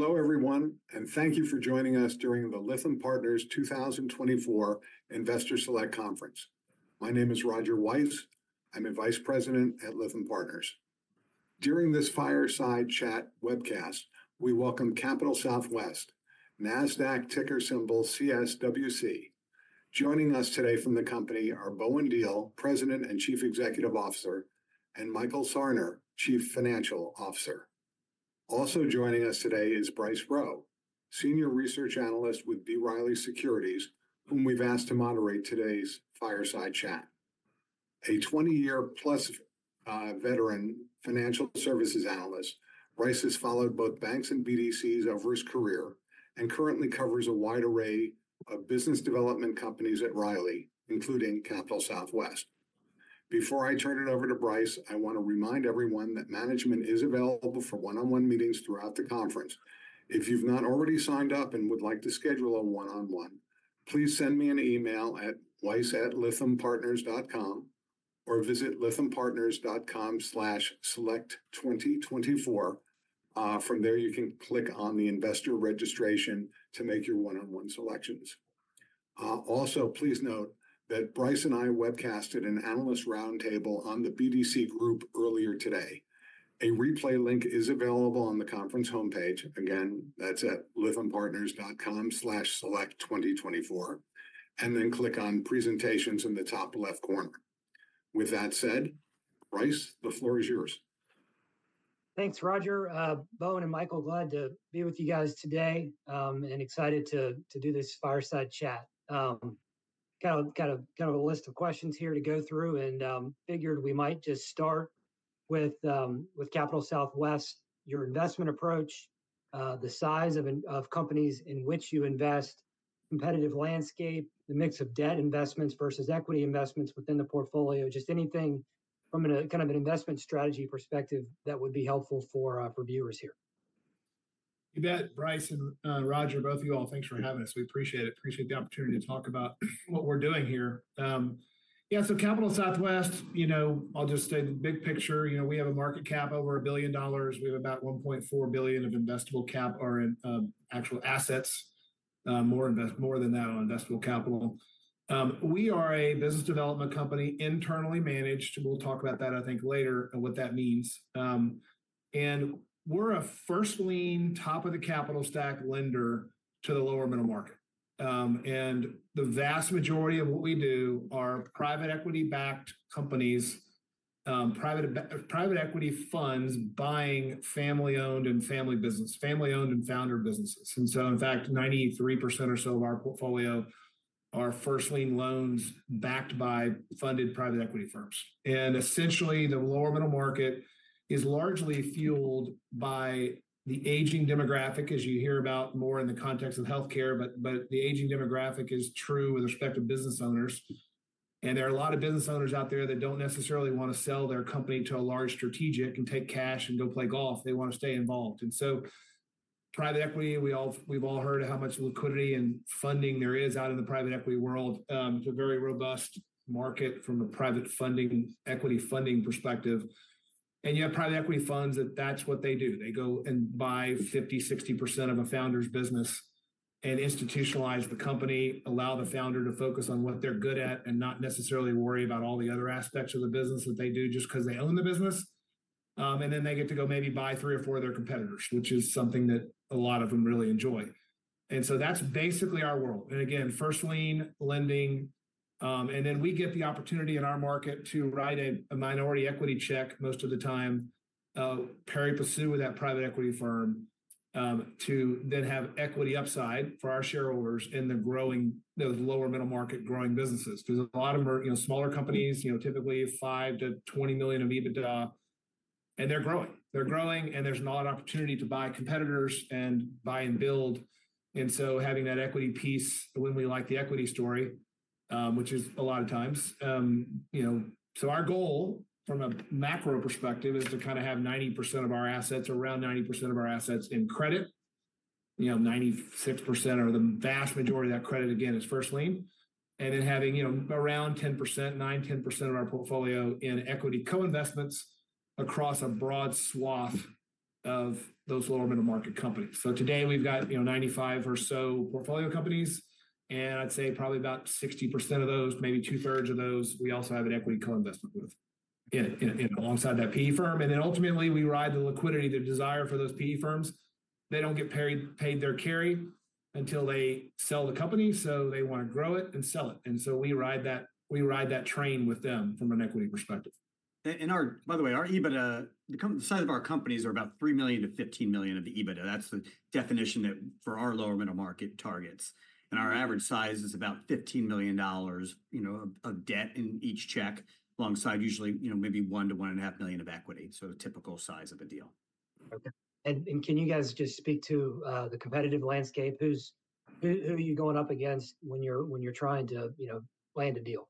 Hello everyone, and thank you for joining us during the Lytham Partners 2024 Investor Select Conference. My name is Roger Weiss. I'm the Vice President at Lytham Partners. During this fireside chat webcast, we welcome Capital Southwest, NASDAQ ticker symbol CSWC. Joining us today from the company are Bowen Diehl, President and Chief Executive Officer, and Michael Sarner, Chief Financial Officer. Also joining us today is Bryce Rowe, Senior Research Analyst with B. Riley Securities, whom we've asked to moderate today's fireside chat. A 20-year-plus veteran financial services analyst, Bryce has followed both banks and BDCs over his career and currently covers a wide array of business development companies at Riley, including Capital Southwest. Before I turn it over to Bryce, I want to remind everyone that management is available for one-on-one meetings throughout the conference. If you've not already signed up and would like to schedule a one-on-one, please send me an email at weiss@lythampartners.com or visit lythampartners.com/select2024. From there, you can click on the investor registration to make your one-on-one selections. Also, please note that Bryce and I webcasted an analyst roundtable on the BDC group earlier today. A replay link is available on the conference homepage. Again, that's at lythampartners.com/select2024, and then click on Presentations in the top left corner. With that said, Bryce, the floor is yours. Thanks, Roger. Bowen and Michael, glad to be with you guys today, and excited to do this fireside chat. Got a list of questions here to go through, and figured we might just start with Capital Southwest, your investment approach, the size of companies in which you invest, competitive landscape, the mix of debt investments versus equity investments within the portfolio. Just anything from a kind of an investment strategy perspective that would be helpful for viewers here. You bet, Bryce and Roger, both of you all, thanks for having us. We appreciate it. Appreciate the opportunity to talk about what we're doing here. Yeah, so Capital Southwest, you know, I'll just state the big picture. You know, we have a market cap over $1 billion. We have about $1.4 billion of investable cap or actual assets, more than that on investable capital. We are a business development company, internally managed, we'll talk about that, I think, later, and what that means. And we're a first lien, top-of-the-capital-stack lender to the lower middle market. And the vast majority of what we do are private equity-backed companies, private equity funds buying family-owned and family business, family-owned and founder businesses. And so, in fact, 93% or so of our portfolio are first lien loans backed by funded private equity firms. And essentially, the lower middle market is largely fueled by the aging demographic, as you hear about more in the context of healthcare, but the aging demographic is true with respect to business owners. And there are a lot of business owners out there that don't necessarily want to sell their company to a large strategic and take cash and go play golf. They want to stay involved. And so private equity, we've all heard how much liquidity and funding there is out in the private equity world. It's a very robust market from a private funding, equity funding perspective. And you have private equity funds, that's what they do. They go and buy 50-60% of a founder's business and institutionalize the company, allow the founder to focus on what they're good at, and not necessarily worry about all the other aspects of the business that they do just 'cause they own the business. And then they get to go maybe buy 3 or 4 of their competitors, which is something that a lot of them really enjoy. So that's basically our world. Again, first lien lending, and then we get the opportunity in our market to write a minority equity check most of the time, pari passu with that private equity firm, to then have equity upside for our shareholders in the growing, those lower middle market growing businesses. There's a lot of, you know, smaller companies, you know, typically $5-$20 million of EBITDA, and they're growing. They're growing, and there's not an opportunity to buy competitors and buy and build. And so having that equity piece when we like the equity story, which is a lot of times, you know... So our goal from a macro perspective is to kind of have 90% of our assets, around 90% of our assets in credit. You know, 96% or the vast majority of that credit, again, is first lien, and then having, you know, around 10%, 9%-10% of our portfolio in equity co-investments across a broad swath of those lower middle market companies. So today we've got, you know, 95 or so portfolio companies, and I'd say probably about 60% of those, maybe two-thirds of those, we also have an equity co-investment with in, alongside that PE firm. Then ultimately, we ride the liquidity, the desire for those PE firms. They don't get paid their carry until they sell the company, so they want to grow it and sell it. And so we ride that, we ride that train with them from an equity perspective. By the way, our EBITDA, the size of our companies are about $3 million-$15 million of EBITDA. That's the definition that for our lower middle market targets. Our average size is about $15 million, you know, of debt in each check, alongside usually, you know, maybe $1 million-$1.5 million of equity. So a typical size of a deal. Okay. And can you guys just speak to the competitive landscape? Who are you going up against when you're trying to, you know, land a deal?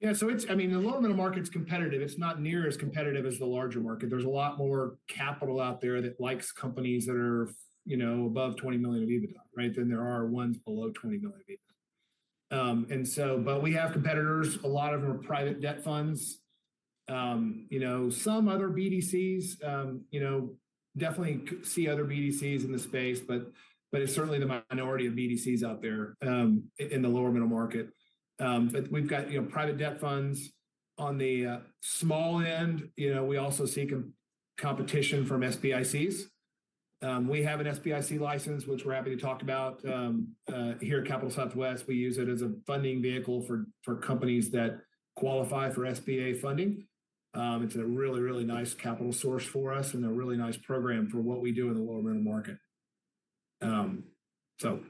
Yeah, so it's, I mean, the lower middle market's competitive. It's not near as competitive as the larger market. There's a lot more capital out there that likes companies that are, you know, above 20 million of EBITDA, right, than there are ones below 20 million of EBITDA. We have competitors. A lot of them are private debt funds. You know, some other BDCs, you know, definitely see other BDCs in the space, but, but it's certainly the minority of BDCs out there, in the lower middle market. But we've got, you know, private debt funds on the small end. You know, we also see competition from SBICs. We have an SBIC license, which we're happy to talk about. Here at Capital Southwest, we use it as a funding vehicle for companies that qualify for SBA funding. It's a really, really nice capital source for us and a really nice program for what we do in the lower middle market. So-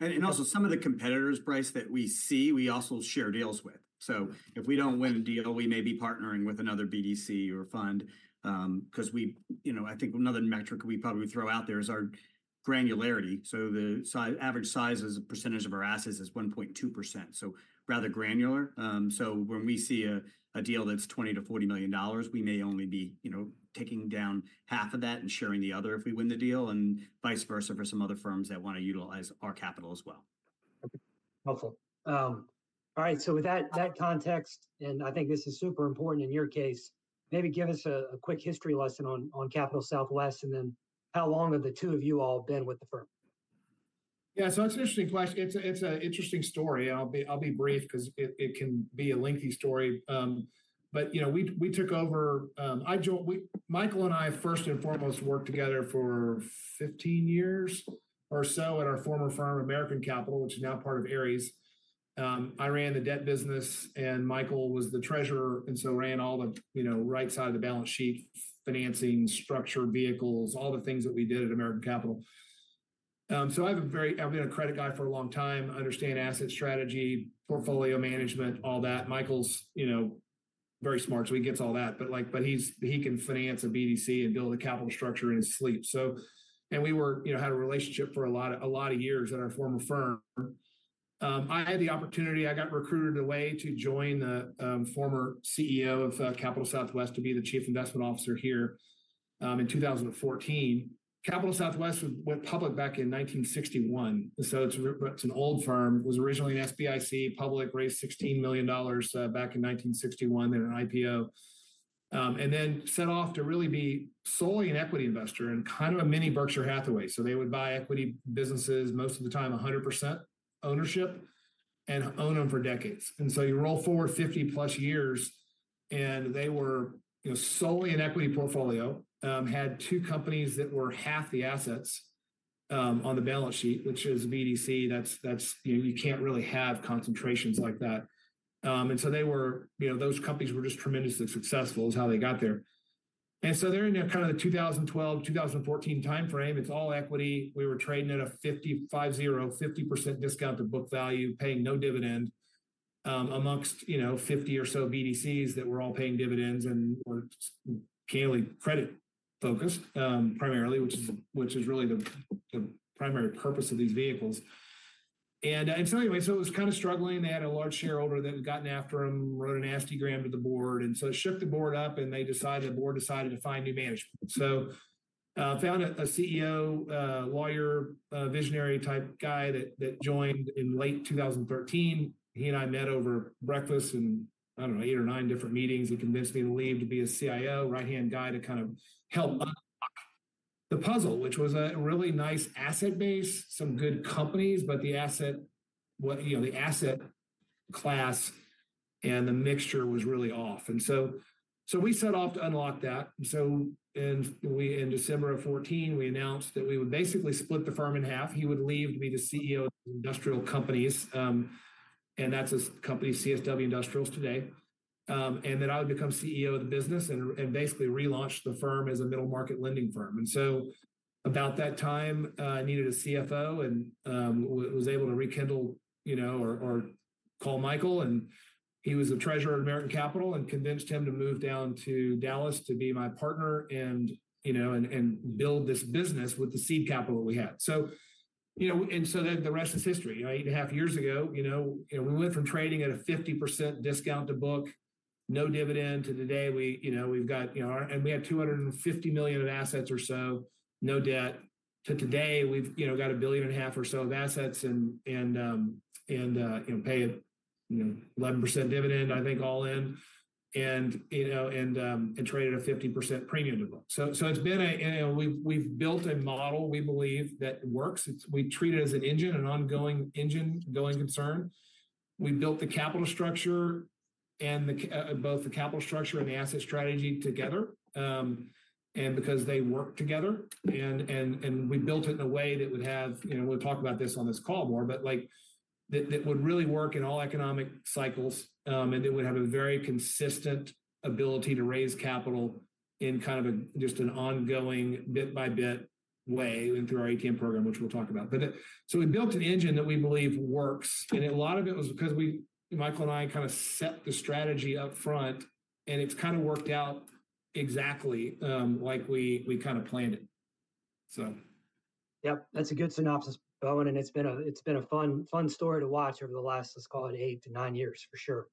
And also some of the competitors, Bryce, that we see, we also share deals with. So if we don't win a deal, we may be partnering with another BDC or fund, 'cause we, you know... I think another metric we'd probably throw out there is our granularity. So the average size as a percentage of our assets is 1.2%, so rather granular. So when we see a deal that's $20 million-$40 million, we may only be, you know, taking down half of that and sharing the other if we win the deal, and vice versa for some other firms that want to utilize our capital as well. Okay. Helpful. All right, so with that, that context, and I think this is super important in your case, maybe give us a quick history lesson on Capital Southwest, and then how long have the two of you all been with the firm? Yeah, so it's an interesting question. It's an interesting story, and I'll be brief 'cause it can be a lengthy story. But you know, Michael and I, first and foremost, worked together for 15 years or so at our former firm, American Capital, which is now part of Ares. I ran the debt business, and Michael was the treasurer, and so ran all the, you know, right side of the balance sheet, financing, structured vehicles, all the things that we did at American Capital. So I have a very—I've been a credit guy for a long time, understand asset strategy, portfolio management, all that. Michael's, you know, very smart, so he gets all that, but he can finance a BDC and build a capital structure in his sleep. We were, you know, had a relationship for a lot, a lot of years at our former firm. I had the opportunity, I got recruited away to join the former CEO of Capital Southwest to be the Chief Investment Officer here in 2014. Capital Southwest went public back in 1961, so it's an old firm, was originally an SBIC, public, raised $16 million back in 1961 in an IPO. And then set off to really be solely an equity investor and kind of a mini Berkshire Hathaway. So they would buy equity businesses, most of the time 100% ownership, and own them for decades. You roll forward 50+ years, and they were, you know, solely an equity portfolio, had two companies that were half the assets on the balance sheet, which as a BDC, that's. You know, you can't really have concentrations like that. You know, those companies were just tremendously successful; that's how they got there. They're in the kind of the 2012-2014 timeframe. It's all equity. We were trading at a 55% discount to book value, paying no dividend, among, you know, 50 or so BDCs that were all paying dividends and were mainly credit-focused, primarily, which is really the primary purpose of these vehicles. So anyway, it was kind of struggling. They had a large shareholder that had gotten after them, wrote a nasty gram to the board, and so it shook the board up, and they decided, the board decided to find new management. So, found a CEO, lawyer, visionary-type guy that joined in late 2013. He and I met over breakfast in, I don't know, 8 or 9 different meetings. He convinced me to leave to be his CIO, right-hand guy, to kind of help unlock the puzzle, which was a really nice asset base, some good companies, but the asset, you know, the asset class and the mixture was really off. And so we set off to unlock that. So we, in December 2014, we announced that we would basically split the firm in half. He would leave to be the CEO of CSW Industrials, and that's his company, CSW Industrials today. And that I would become CEO of the business and basically relaunch the firm as a middle-market lending firm. And so about that time, I needed a CFO and was able to rekindle, you know, or call Michael, and he was a treasurer at American Capital, and convinced him to move down to Dallas to be my partner and, you know, and build this business with the seed capital we had. So, you know, and so then the rest is history. You know, 8.5 years ago, you know, you know, we went from trading at a 50% discount to book, no dividend, to today, we, you know, we've got, you know... And we had $250 million in assets or so, no debt, to today, we've, you know, got $1.5 billion or so of assets and you know paying, you know, 11% dividend, I think all in, and you know and trading at a 50% premium to book. So, so it's been a... You know, we've, we've built a model we believe that works. It's we treat it as an engine, an ongoing engine, going concern. We built the capital structure and both the capital structure and the asset strategy together, and because they work together, and we built it in a way that would have, you know, we'll talk about this on this call more, but, like, that, that would really work in all economic cycles, and it would have a very consistent ability to raise capital in kind of a, just an ongoing, bit by bit way through our ATM program, which we'll talk about. But, so we built an engine that we believe works, and a lot of it was because we, Michael and I, kind of set the strategy up front, and it's kind of worked out exactly, like we, we kind of planned it. So... Yep, that's a good synopsis, Bowen, and it's been a, it's been a fun, fun story to watch over the last, let's call it 8-9 years, for sure.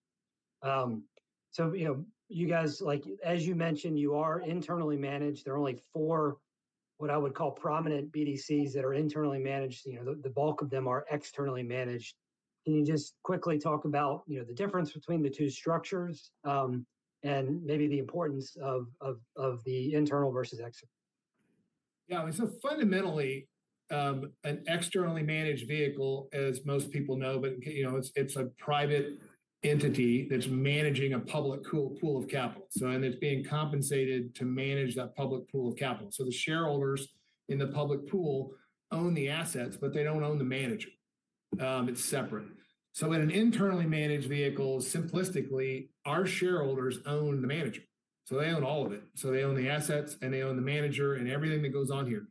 So, you know, you guys, like, as you mentioned, you are internally managed. There are only four, what I would call prominent BDCs that are internally managed. You know, the bulk of them are externally managed. Can you just quickly talk about, you know, the difference between the two structures, and maybe the importance of the internal versus external? Yeah. So fundamentally, an externally managed vehicle, as most people know, but, you know, it's a private entity that's managing a public pool of capital. So and it's being compensated to manage that public pool of capital. So the shareholders in the public pool own the assets, but they don't own the manager. It's separate. So in an internally managed vehicle, simplistically, our shareholders own the manager, so they own all of it. So they own the assets, and they own the manager and everything that goes on here.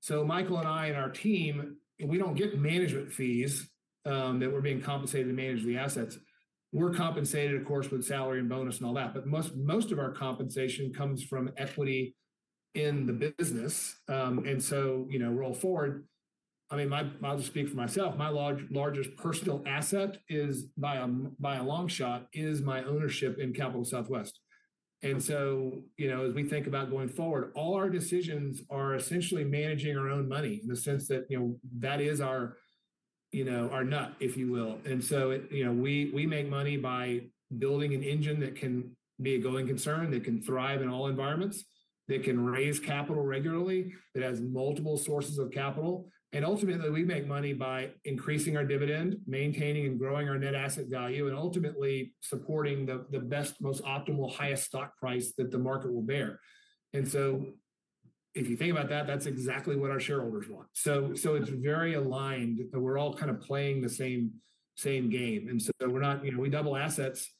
So Michael and I and our team, we don't get management fees that we're being compensated to manage the assets. We're compensated, of course, with salary and bonus and all that, but most of our compensation comes from equity in the business. And so, you know, roll forward, I mean, I'll just speak for myself, my largest personal asset is by a long shot my ownership in Capital Southwest. And so, you know, as we think about going forward, all our decisions are essentially managing our own money in the sense that, you know, that is our, you know, our nut, if you will. And so, you know, we make money by building an engine that can be a going concern, that can thrive in all environments, that can raise capital regularly, that has multiple sources of capital. And ultimately, we make money by increasing our dividend, maintaining and growing our net asset value, and ultimately supporting the best, most optimal, highest stock price that the market will bear. And so if you think about that, that's exactly what our shareholders want. So, it's very aligned, and we're all kind of playing the same game. And so we're not, you know, we double assets,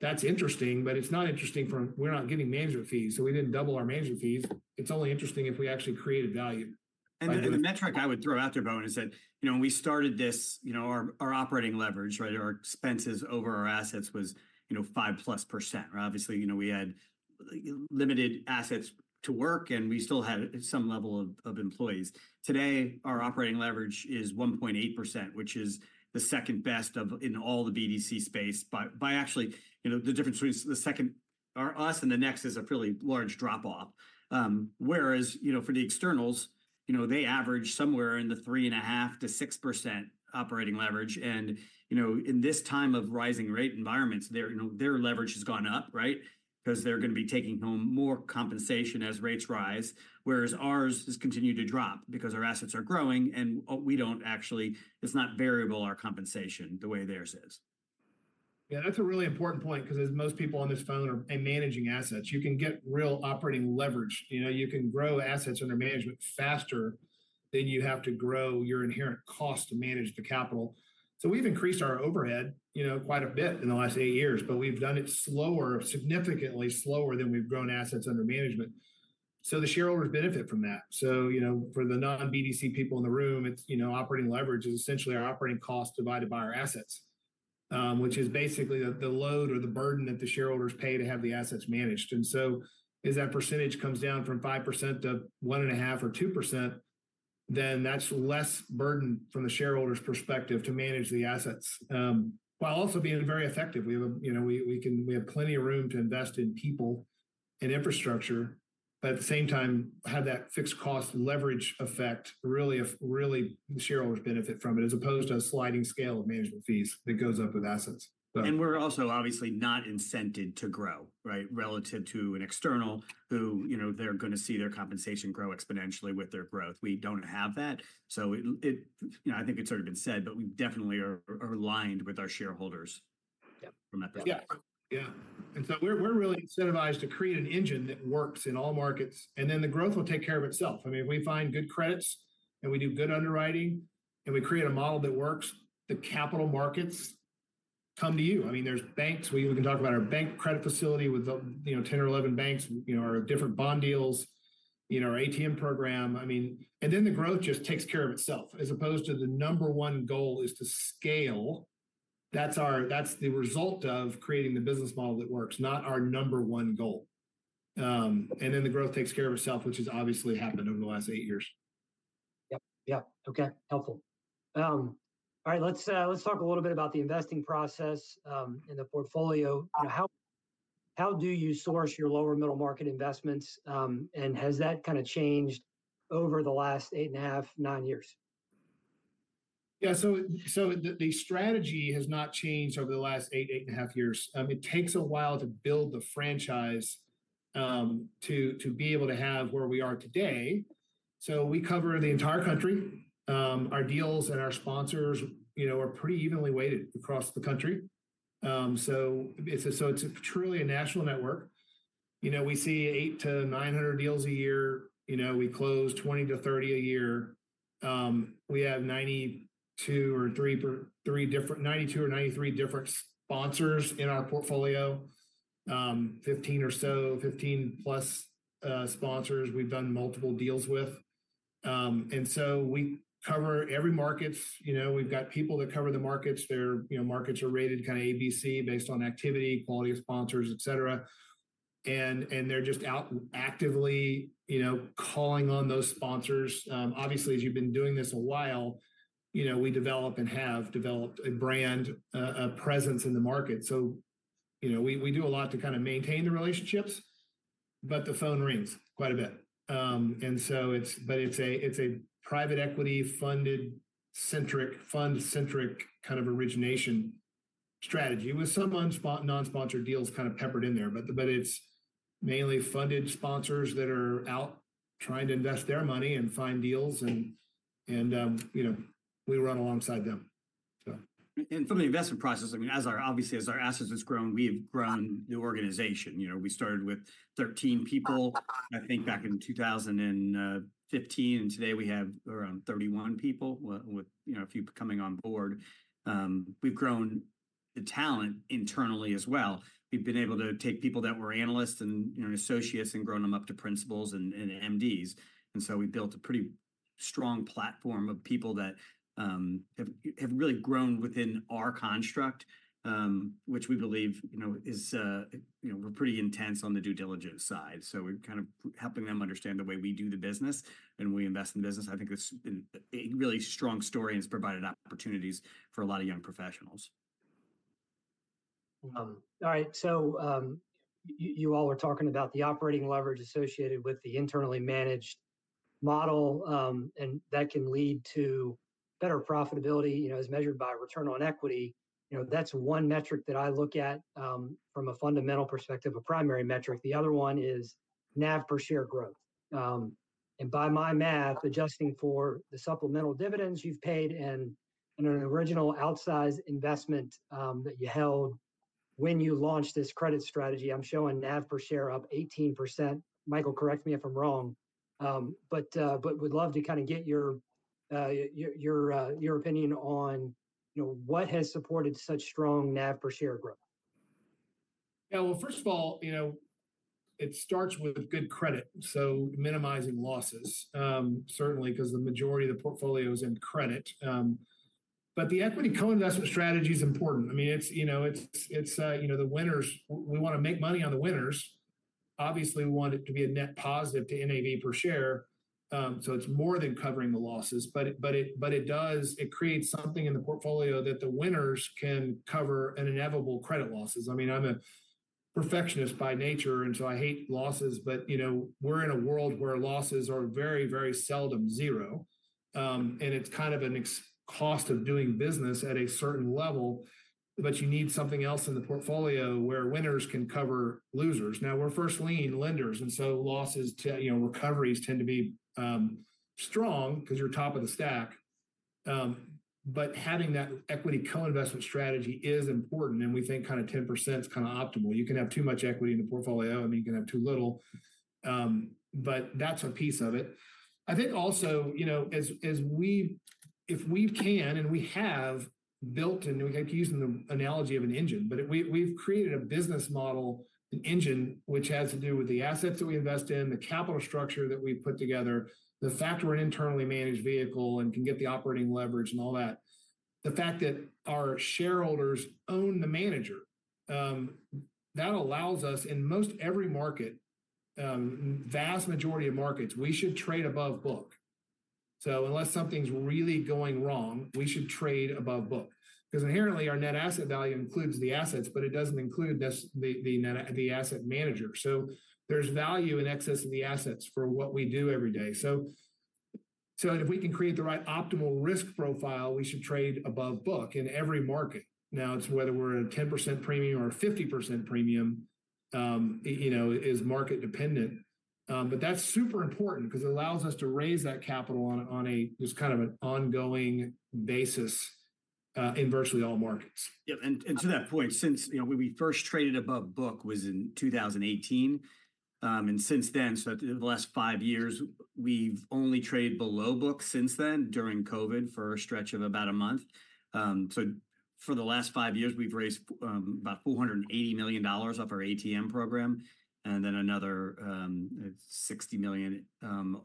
that's interesting, but it's not interesting for... We're not getting management fees, so we didn't double our management fees. It's only interesting if we actually created value. And the metric I would throw out there, Bowen, is that, you know, when we started this, you know, our operating leverage, right? Our expenses over our assets was, you know, 5%+. Obviously, you know, we had limited assets to work, and we still had some level of employees. Today, our operating leverage is 1.8%, which is the second best in all the BDC space, by actually, you know, the difference between the second or us and the next is a fairly large drop off. Whereas, you know, for the externals, you know, they average somewhere in the 3.5%-6% operating leverage. And, you know, in this time of rising rate environments, their leverage has gone up, right? Because they're going to be taking home more compensation as rates rise, whereas ours has continued to drop because our assets are growing, and we don't actually, it's not variable, our compensation, the way theirs is. Yeah, that's a really important point because as most people on this phone are managing assets, you can get real operating leverage. You know, you can grow assets under management faster than you have to grow your inherent cost to manage the capital. So we've increased our overhead, you know, quite a bit in the last eight years, but we've done it slower, significantly slower than we've grown assets under management. So the shareholders benefit from that. So, you know, for the non-BDC people in the room, it's, you know, operating leverage is essentially our operating cost divided by our assets, which is basically the load or the burden that the shareholders pay to have the assets managed. As that percentage comes down from 5% to 1.5% or 2%, then that's less burden from the shareholder's perspective to manage the assets, while also being very effective. We have, you know, we, we can, we have plenty of room to invest in people and infrastructure, but at the same time, have that fixed cost leverage effect, really, really, the shareholders benefit from it, as opposed to a sliding scale of management fees that goes up with assets. We're also obviously not incented to grow, right? Relative to an external who, you know, they're going to see their compensation grow exponentially with their growth. We don't have that, so it, you know, I think it's sort of been said, but we definitely are aligned with our shareholders- Yep... from that perspective. Yeah. Yeah. And so we're, we're really incentivized to create an engine that works in all markets, and then the growth will take care of itself. I mean, if we find good credits, and we do good underwriting, and we create a model that works, the capital markets come to you. I mean, there's banks, we can talk about our bank credit facility with the, you know, 10 or 11 banks, you know, our different bond deals, you know, our ATM program. I mean, and then the growth just takes care of itself, as opposed to the number one goal is to scale. That's our - that's the result of creating the business model that works, not our number one goal. And then the growth takes care of itself, which has obviously happened over the last eight years. Yep, yep. Okay, helpful. All right, let's talk a little bit about the investing process and the portfolio. How do you source your lower middle market investments? And has that kind of changed over the last 8.5-9 years? Yeah, so the strategy has not changed over the last 8.5 years. It takes a while to build the franchise, to be able to have where we are today. So we cover the entire country. Our deals and our sponsors, you know, are pretty evenly weighted across the country. So it's truly a national network. You know, we see 800-900 deals a year. You know, we close 20-30 a year. We have 92 or 93 different sponsors in our portfolio. 15 or so, 15 plus, sponsors we've done multiple deals with. And so we cover every markets. You know, we've got people that cover the markets. There, you know, markets are rated kind of A, B, C, based on activity, quality of sponsors, et cetera... and they're just out actively, you know, calling on those sponsors. Obviously, as you've been doing this a while, you know, we develop and have developed a brand, a presence in the market. So, you know, we do a lot to kind of maintain the relationships, but the phone rings quite a bit. And so it's, but it's a private equity-funded centric, fund-centric kind of origination strategy with some non-sponsored deals kind of peppered in there. But it's mainly funded sponsors that are out trying to invest their money and find deals and, you know, we run alongside them, so. From the investment process, I mean, as our obviously as our assets has grown, we've grown the organization. You know, we started with 13 people, I think back in 2015, and today we have around 31 people, with, you know, a few coming on board. We've grown the talent internally as well. We've been able to take people that were analysts and, you know, associates and grown them up to principals and MDs. And so we built a pretty strong platform of people that have really grown within our construct, which we believe, you know, is, you know, we're pretty intense on the due diligence side. So we're kind of helping them understand the way we do the business, and we invest in the business. I think it's been a really strong story and has provided opportunities for a lot of young professionals. All right, so, you all are talking about the operating leverage associated with the internally managed model, and that can lead to better profitability, you know, as measured by return on equity. You know, that's one metric that I look at, from a fundamental perspective, a primary metric. The other one is NAV per share growth. And by my math, adjusting for the supplemental dividends you've paid and an original outsized investment that you held when you launched this credit strategy, I'm showing NAV per share up 18%. Michael, correct me if I'm wrong, but would love to kind of get your opinion on, you know, what has supported such strong NAV per share growth? Yeah, well, first of all, you know, it starts with good credit, so minimizing losses, certainly because the majority of the portfolio is in credit. But the equity co-investment strategy is important. I mean, it's, you know, it's, it's, you know, the winners, we want to make money on the winners. Obviously, we want it to be a net positive to NAV per share, so it's more than covering the losses, but it does. It creates something in the portfolio that the winners can cover an inevitable credit losses. I mean, I'm a perfectionist by nature, and so I hate losses, but, you know, we're in a world where losses are very, very seldom zero. And it's kind of a cost of doing business at a certain level, but you need something else in the portfolio where winners can cover losers. Now, we're first lien lenders, and so losses, too, you know, recoveries tend to be strong because you're top of the stack. But having that equity co-investment strategy is important, and we think kind of 10% is kind of optimal. You can have too much equity in the portfolio, and you can have too little, but that's a piece of it. I think also, you know, as, as we—if we can, and we have built, and we keep using the analogy of an engine, but we, we've created a business model, an engine, which has to do with the assets that we invest in, the capital structure that we've put together, the fact we're an internally managed vehicle and can get the operating leverage and all that. The fact that our shareholders own the manager, that allows us in most every market, vast majority of markets, we should trade above book. So unless something's really going wrong, we should trade above book. Because inherently, our net asset value includes the assets, but it doesn't include the, the, net, the asset manager. So there's value in excess of the assets for what we do every day. So if we can create the right optimal risk profile, we should trade above book in every market. Now, it's whether we're in a 10% premium or a 50% premium, you know, is market dependent. But that's super important because it allows us to raise that capital on a just kind of an ongoing basis, in virtually all markets. Yep, and to that point, since, you know, when we first traded above book was in 2018, and since then, so the last five years, we've only traded below book since then, during COVID, for a stretch of about a month. So for the last five years, we've raised about $480 million off our ATM program, and then another $60 million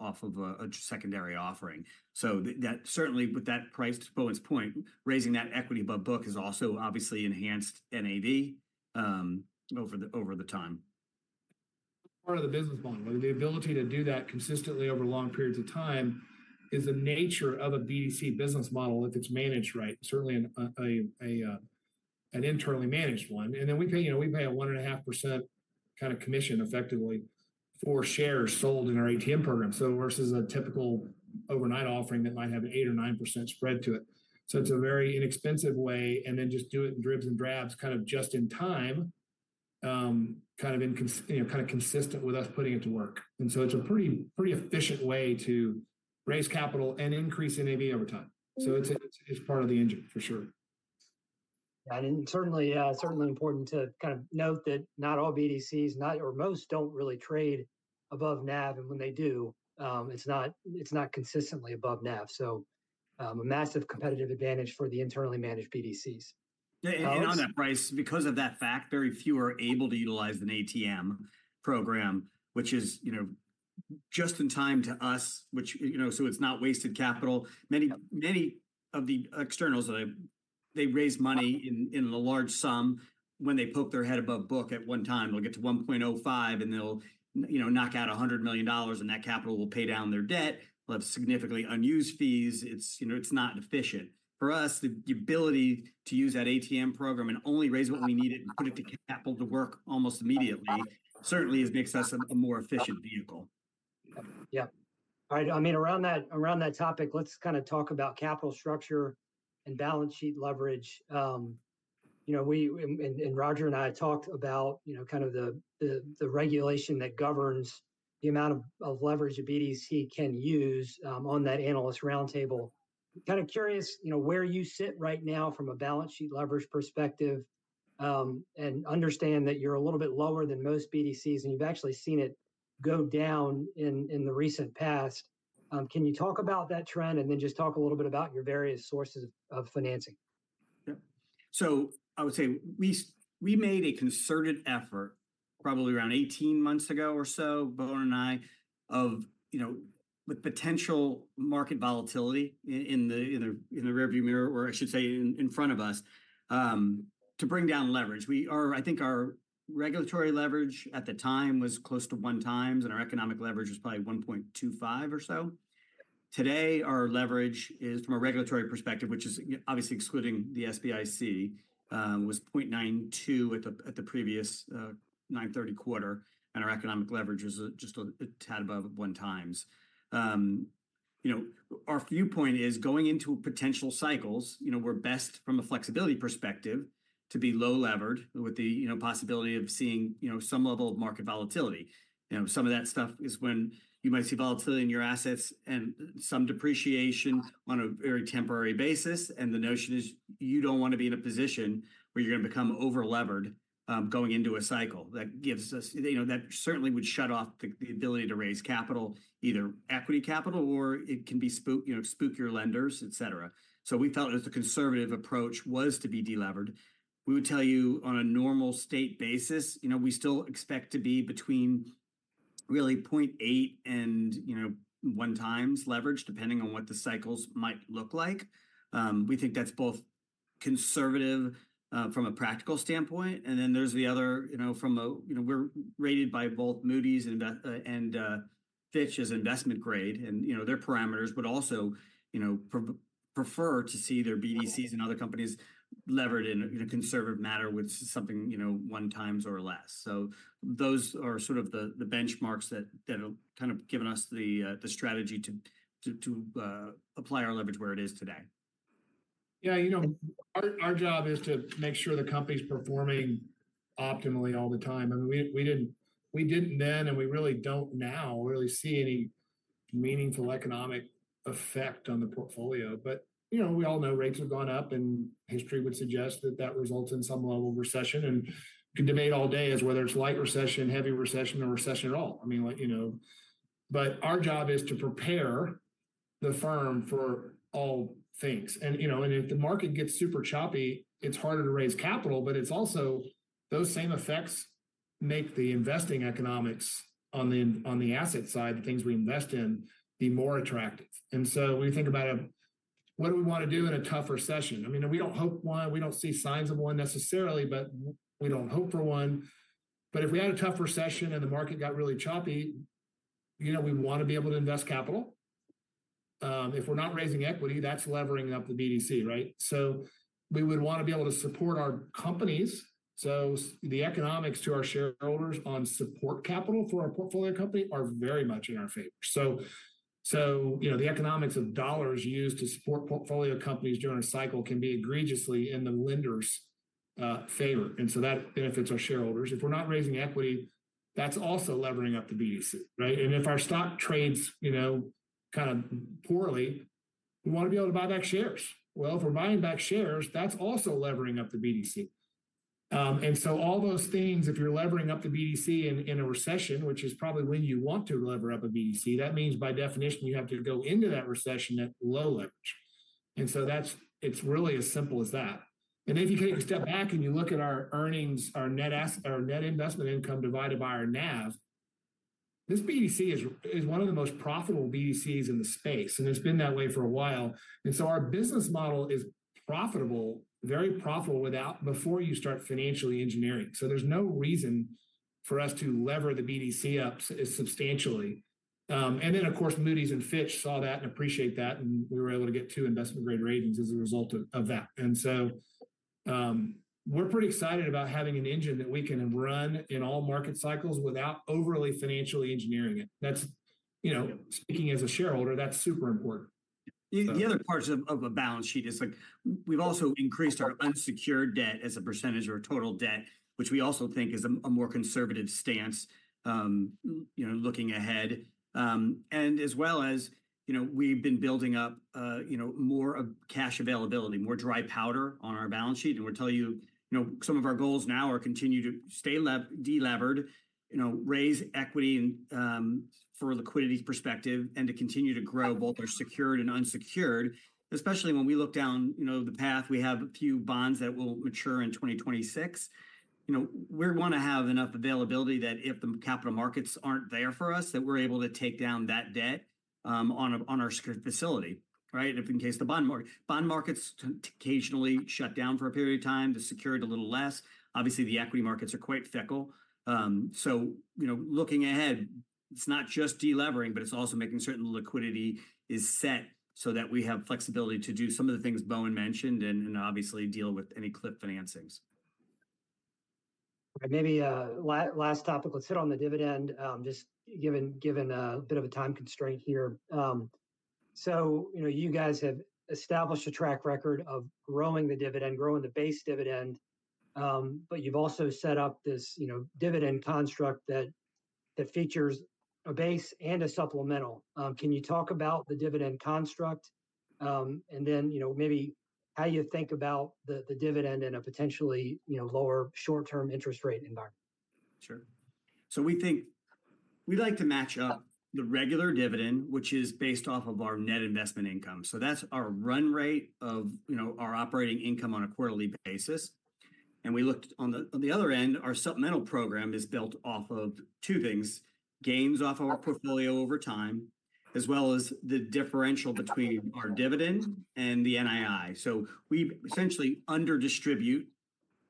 off of a secondary offering. So that certainly, with that price, to Bowen's point, raising that equity above book has also obviously enhanced NAV over the time. Part of the business model, the ability to do that consistently over long periods of time is the nature of a BDC business model if it's managed right, certainly an internally managed one. And then we pay, you know, we pay a 1.5% kind of commission effectively for shares sold in our ATM program. So versus a typical overnight offering that might have an 8% or 9% spread to it. So it's a very inexpensive way, and then just do it in dribs and drabs, kind of just in time, you know, kind of consistent with us putting it to work. And so it's a pretty, pretty efficient way to raise capital and increase NAV over time. So it's part of the engine, for sure. Certainly important to kind of note that not all BDCs, nor most, don't really trade above NAV, and when they do, it's not consistently above NAV. So, a massive competitive advantage for the internally managed BDCs. Yeah, and on that price, because of that fact, very few are able to utilize an ATM program, which is, you know, just in time to us, which, you know, so it's not wasted capital. Many, many of the externals that they raise money in, in a large sum. When they poke their head above book at one time, they'll get to 1.05, and they'll, you know, knock out $100 million, and that capital will pay down their debt. We'll have significantly unused fees. It's, you know, it's not efficient. For us, the ability to use that ATM program and only raise what we need it and put it to capital to work almost immediately, certainly makes us a more efficient vehicle. Yeah. All right, I mean, around that, around that topic, let's kind of talk about capital structure and balance sheet leverage. You know, Roger and I talked about, you know, kind of the regulation that governs the amount of leverage a BDC can use, on that analyst roundtable. I'm kind of curious, you know, where you sit right now from a balance sheet leverage perspective, and understand that you're a little bit lower than most BDCs, and you've actually seen it go down in the recent past. Can you talk about that trend, and then just talk a little bit about your various sources of financing? Yeah. So I would say we made a concerted effort, probably around 18 months ago or so, Bowen and I, you know, with potential market volatility in the rearview mirror, or I should say, in front of us, to bring down leverage. I think our regulatory leverage at the time was close to 1x, and our economic leverage was probably 1.25x or so. Today, our leverage is, from a regulatory perspective, which is obviously excluding the SBIC, was 0.92x at the previous 9/30 quarter, and our economic leverage was just a tad above 1x. You know, our viewpoint is going into potential cycles, you know, we're best from a flexibility perspective, to be low levered with the, you know, possibility of seeing, you know, some level of market volatility. You know, some of that stuff is when you might see volatility in your assets and some depreciation on a very temporary basis, and the notion is you don't want to be in a position where you're going to become over-levered, going into a cycle. That gives us... You know, that certainly would shut off the, the ability to raise capital, either equity capital or it can be spook, you know, spook your lenders, etc. So we felt as the conservative approach was to be de-levered. We would tell you on a normal state basis, you know, we still expect to be between 0.8 and 1 times leverage, depending on what the cycles might look like. We think that's both conservative from a practical standpoint, and then there's the other, you know, from a, you know, we're rated by both Moody's and Fitch as investment grade, and, you know, their parameters, but also, you know, prefer to see their BDCs and other companies levered in a conservative manner, which is something, you know, 1x or less. So those are sort of the benchmarks that have kind of given us the strategy to apply our leverage where it is today. Yeah, you know, our job is to make sure the company's performing optimally all the time. I mean, we didn't then, and we really don't now, really see any meaningful economic effect on the portfolio. But, you know, we all know rates have gone up, and history would suggest that that results in some level of recession, and we could debate all day as whether it's light recession, heavy recession, or recession at all. I mean, like, you know... But our job is to prepare the firm for all things. And, you know, and if the market gets super choppy, it's harder to raise capital, but it's also, those same effects make the investing economics on the, on the asset side, the things we invest in, be more attractive. And so when you think about it, what do we want to do in a tough recession? I mean, we don't hope one, we don't see signs of one necessarily, but we don't hope for one. But if we had a tough recession and the market got really choppy, you know, we want to be able to invest capital. If we're not raising equity, that's levering up the BDC, right? So we would want to be able to support our companies. So the economics to our shareholders on support capital for our portfolio company are very much in our favor. So, so, you know, the economics of dollars used to support portfolio companies during a cycle can be egregiously in the lenders' favor, and so that benefits our shareholders. If we're not raising equity, that's also levering up the BDC, right? And if our stock trades, you know, kind of poorly, we want to be able to buy back shares. Well, if we're buying back shares, that's also levering up the BDC. And so all those things, if you're levering up the BDC in a recession, which is probably when you want to lever up a BDC, that means by definition, you have to go into that recession at low leverage. And so that's, it's really as simple as that. And if you take a step back and you look at our earnings, our net investment income divided by our NAV, this BDC is one of the most profitable BDCs in the space, and it's been that way for a while. And so our business model is profitable, very profitable, without, before you start financially engineering. So there's no reason for us to lever the BDC up substantially. And then, of course, Moody's and Fitch saw that and appreciate that, and we were able to get two investment-grade ratings as a result of that. And so, we're pretty excited about having an engine that we can run in all market cycles without overly financially engineering it. That's, you know, speaking as a shareholder, that's super important. We've also increased our unsecured debt as a percentage of our total debt, which we also think is a more conservative stance, you know, looking ahead. And as well as, you know, we've been building up more of cash availability, more dry powder on our balance sheet, and we'll tell you, you know, some of our goals now are continue to stay de-levered, you know, raise equity and for a liquidity perspective, and to continue to grow both our secured and unsecured. Especially when we look down, you know, the path, we have a few bonds that will mature in 2026. You know, we want to have enough availability that if the capital markets aren't there for us, that we're able to take down that debt. On our secured facility, right? If in case the bond markets occasionally shut down for a period of time, the secured a little less. Obviously, the equity markets are quite fickle. So, you know, looking ahead, it's not just delevering, but it's also making certain liquidity is set so that we have flexibility to do some of the things Bowen mentioned and obviously deal with any clip financings. Maybe last topic, let's hit on the dividend, just given a bit of a time constraint here. So, you know, you guys have established a track record of growing the dividend, growing the base dividend, but you've also set up this, you know, dividend construct that features a base and a supplemental. Can you talk about the dividend construct, and then, you know, maybe how you think about the dividend in a potentially lower short-term interest rate environment? Sure. So we think we'd like to match up the regular dividend, which is based off of our net investment income. So that's our run rate of, you know, our operating income on a quarterly basis. And we looked on the, on the other end, our supplemental program is built off of two things: gains off our portfolio over time, as well as the differential between our dividend and the NII. So we essentially under distribute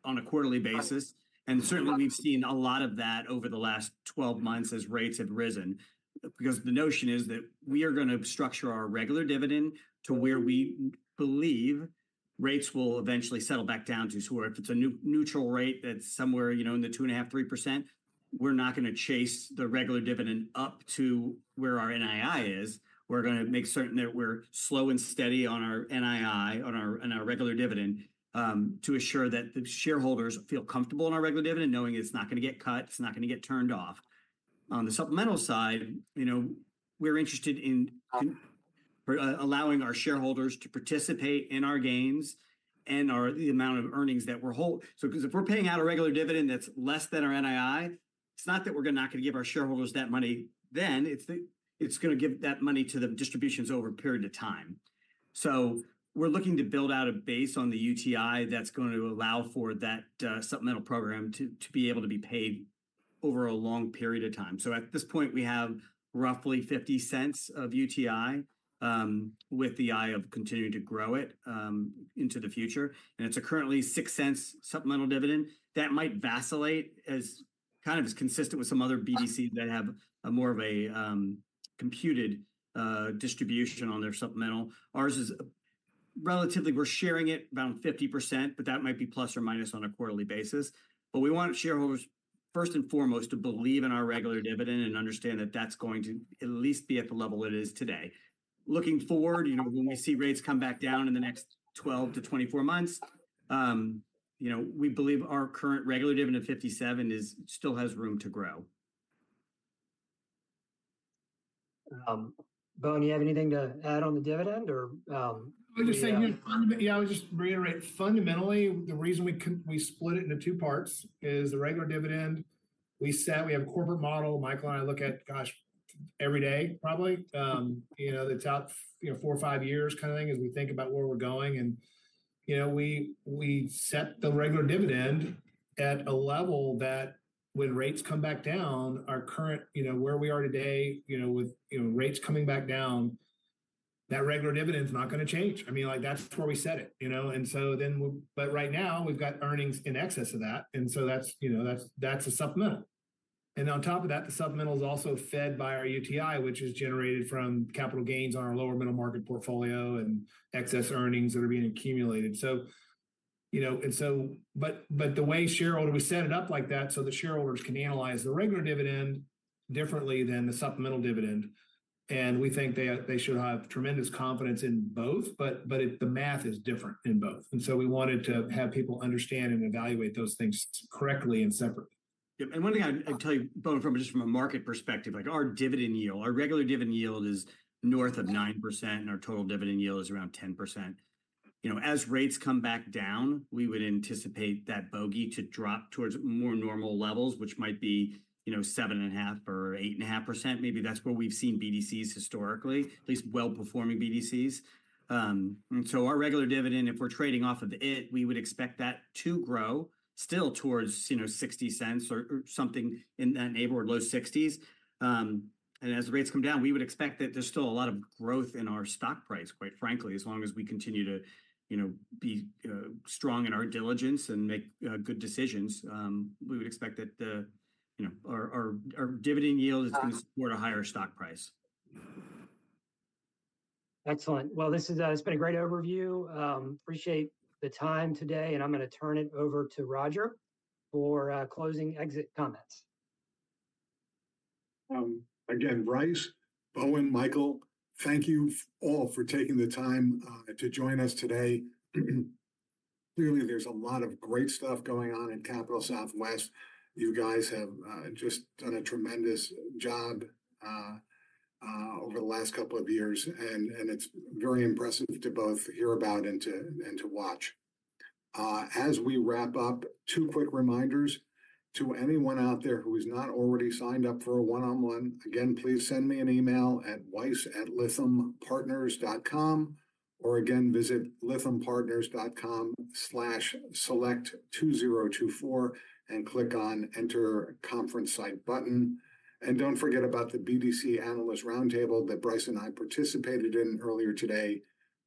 on a quarterly basis, and certainly we've seen a lot of that over the last 12 months as rates have risen. Because the notion is that we are going to structure our regular dividend to where we believe rates will eventually settle back down to. So if it's a neutral rate, that's somewhere, you know, in the 2.5%-3%, we're not going to chase the regular dividend up to where our NII is. We're going to make certain that we're slow and steady on our NII, on our, on our regular dividend, to assure that the shareholders feel comfortable in our regular dividend, knowing it's not going to get cut, it's not going to get turned off. On the supplemental side, you know, we're interested in allowing our shareholders to participate in our gains and our, the amount of earnings that we're so because if we're paying out a regular dividend that's less than our NII, it's not that we're not going to give our shareholders that money, then, it's going to give that money to the distributions over a period of time. So we're looking to build out a base on the UTI that's going to allow for that supplemental program to be able to be paid over a long period of time. So at this point, we have roughly $0.50 of UTI with an eye toward continuing to grow it into the future, and it's currently $0.06 supplemental dividend. That might vacillate as consistent with some other BDCs that have more of a computed distribution on their supplemental. Ours is relatively. We're sharing it around 50%, but that might be ± on a quarterly basis. But we want shareholders, first and foremost, to believe in our regular dividend and understand that that's going to at least be at the level it is today. Looking forward, you know, when we see rates come back down in the next 12-24 months, you know, we believe our current regular dividend of $0.57 still has room to grow. Bowen, do you have anything to add on the dividend or? I would just say, yeah, I would just reiterate, fundamentally, the reason we split it into two parts is the regular dividend. We set, we have a corporate model, Michael and I look at, gosh, every day, probably. You know, the top, you know, four or five years kind of thing, as we think about where we're going. And, you know, we, we set the regular dividend at a level that when rates come back down, our current, you know, where we are today, you know, with, you know, rates coming back down, that regular dividend is not going to change. I mean, like, that's where we set it, you know? And so then but right now, we've got earnings in excess of that, and so that's, you know, that's, that's a supplemental. And on top of that, the supplemental is also fed by our UTI, which is generated from capital gains on our lower middle market portfolio and excess earnings that are being accumulated. So, you know, but the way shareholders, we set it up like that so the shareholders can analyze the regular dividend differently than the supplemental dividend. And we think they should have tremendous confidence in both, but the math is different in both. And so we wanted to have people understand and evaluate those things correctly and separately. Yep, and one thing I'd tell you, Bowen, from just from a market perspective, like our dividend yield, our regular dividend yield is north of 9%, and our total dividend yield is around 10%. You know, as rates come back down, we would anticipate that bogey to drop towards more normal levels, which might be, you know, 7.5% or 8.5%. Maybe that's where we've seen BDCs historically, at least well-performing BDCs. And so our regular dividend, if we're trading off of it, we would expect that to grow still towards, you know, $0.60 or something in that neighborhood, low 60s. As the rates come down, we would expect that there's still a lot of growth in our stock price, quite frankly, as long as we continue to, you know, be strong in our diligence and make good decisions. We would expect that you know our dividend yield is going to support a higher stock price. Excellent. Well, this is, it's been a great overview. Appreciate the time today, and I'm going to turn it over to Roger for closing exit comments. Again, Bryce, Bowen, Michael, thank you all for taking the time to join us today. Clearly, there's a lot of great stuff going on in Capital Southwest. You guys have just done a tremendous job over the last couple of years, and it's very impressive to both hear about and to watch. As we wrap up, two quick reminders. To anyone out there who is not already signed up for a one-on-one, again, please send me an email at weiss@lythampartners.com, or again, visit lythampartners.com/select2024 and click on Enter Conference Site button. And don't forget about the BDC Analyst Roundtable that Bryce and I participated in earlier today.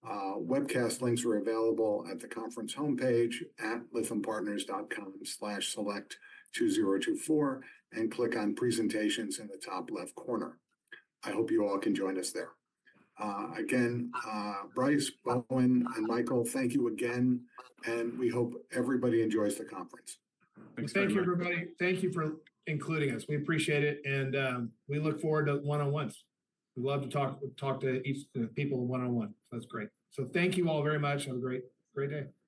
Webcast links are available at the conference homepage at lythampartners.com/select2024, and click on Presentations in the top left corner. I hope you all can join us there. Again, Bryce, Bowen, and Michael, thank you again, and we hope everybody enjoys the conference. Thanks. Thank you, everybody. Thank you for including us. We appreciate it, and we look forward to one-on-ones. We love to talk, talk to each, the people one-on-one. That's great. So thank you all very much. Have a great, great day. Thanks.